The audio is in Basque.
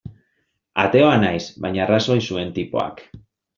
Ateoa naiz, baina arrazoi zuen tipoak.